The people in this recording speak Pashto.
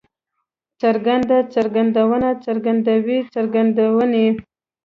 څرګند، څرګندونه، څرګندوی، څرګندونې